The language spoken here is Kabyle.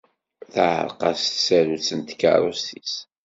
Teɛreq-as tsarut n tkeṛṛust-is.